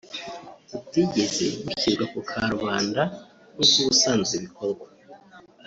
butigeze bushyirwa ku karubanda nkuko ubusanzwe bikorwa